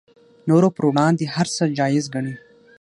نورو پر وړاندې هر څه جایز ګڼي